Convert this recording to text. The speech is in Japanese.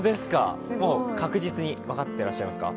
確実に分かってらっしゃいますか？